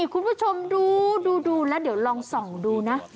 คุณผู้ชมดูแล้วเดี๋ยวลองส่องดูนะ